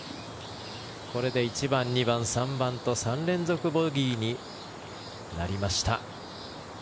これで１番、２番、３番と３連続ボギーになりました。